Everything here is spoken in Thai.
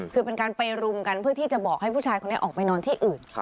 คือเป็นการไปรุมกันเพื่อที่จะบอกให้ผู้ชายคนนี้ออกไปนอนที่อื่น